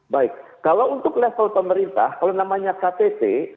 baik kalau untuk level pemerintah kalau namanya ktt